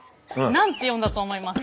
何て読んだと思います？